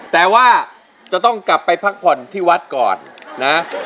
แต่ว่าจะต้องกลับไปพักผ่อนที่วัดก่อนนะ